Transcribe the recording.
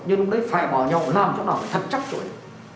nhưng lúc đấy phải bỏ nhau làm cho nó thật chắc chuỗi